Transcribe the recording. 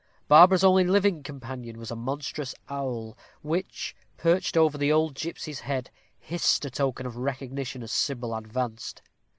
Barbara's only living companion was a monstrous owl, which, perched over the old gipsy's head, hissed a token of recognition as Sybil advanced.